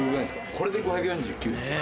これで５４９ですよ。